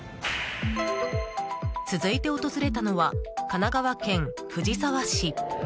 続いて訪れたのは神奈川県藤沢市。